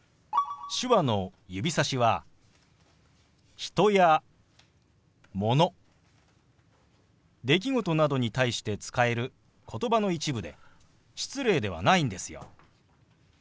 手話の指さしは人やもの出来事などに対して使える言葉の一部で失礼ではないんですよ。